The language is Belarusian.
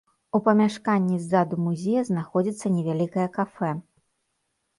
У памяшканні ззаду музея знаходзіцца невялікае кафэ.